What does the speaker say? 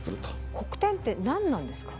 黒点って何なんですか？